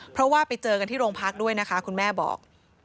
เพราะว่าไปเจอกันที่โรงพักด้วยนะคะคุณแม่บอก